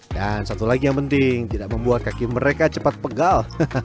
dan satu lagi yang penting tidak membuat kaki mereka cepat pegal